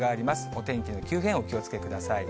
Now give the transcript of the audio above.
お天気の急変、お気をつけください。